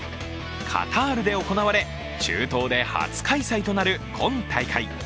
カタールで行われ、中東で初開催となる今大会。